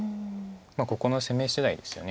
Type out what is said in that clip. ここの攻めしだいですよね